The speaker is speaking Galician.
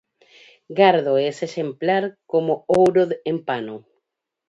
Gardo ese exemplar coma ouro en pano.